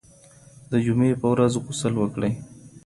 د جمعې په ورځ غسل وکړئ.